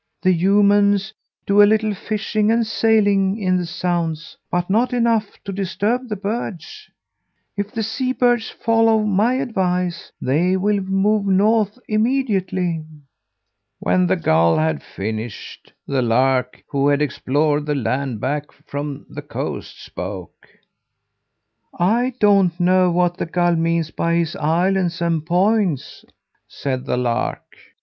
The humans do a little fishing and sailing in the sounds, but not enough to disturb the birds. If the sea birds follow my advice, they will move north immediately.' "When the gull had finished, the lark, who had explored the land back from the coast, spoke: "'I don't know what the gull means by his islands and points,' said the lark.